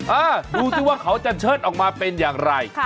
อ่าดูสิว่าเขาจะเชิดออกมาเป็นอย่างไร